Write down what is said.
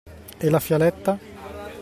E la fialetta?